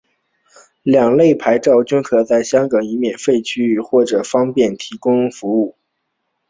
两类牌照均可在香港以免费或收费方式提供服务。